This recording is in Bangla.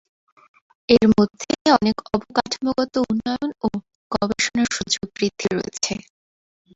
এর মধ্যে অনেক অবকাঠামোগত উন্নয়ন ও গবেষণা সুযোগ বৃদ্ধি রয়েছে।